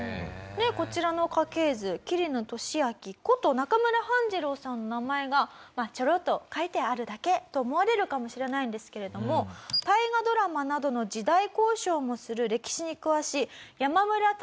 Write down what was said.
こちらの家系図桐野利秋こと中村半次郎さんの名前がちょろっと書いてあるだけと思われるかもしれないんですけれども大河ドラマなどの時代考証もする歴史に詳しい山村竜也先生にお見せしたところ